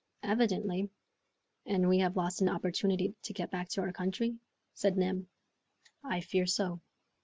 "Evidently." "And we have lost an opportunity to get back to our country?" said Neb. "I fear so."